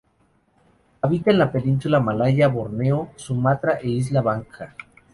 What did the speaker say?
Habita en la península Malaya, Borneo, Sumatra e isla Bangka.